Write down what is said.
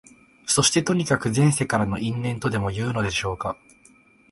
そして、とにかく前世からの因縁とでもいうのでしょうか、